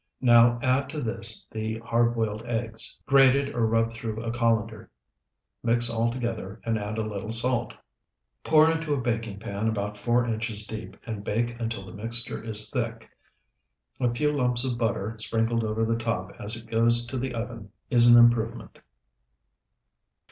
Now add to this the hard boiled eggs, grated or rubbed through a colander. Mix all together, and add a little salt. Pour into a baking pan about four inches deep, and bake until the mixture is thick. A few lumps of butter sprinkled over the top as it goes to the oven is an improvement.